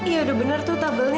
iya udah bener tuh tabelnya